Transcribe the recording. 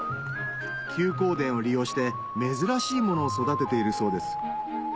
休耕田を利用して珍しいものを育てているそうです